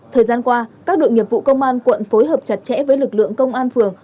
thời gian qua các đội nghiệp vụ công an quận phối hợp chặt chẽ với lực lượng công an phường